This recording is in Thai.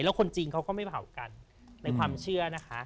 แล้วคนจีนเขาก็ไม่เผากันในความเชื่อนะคะ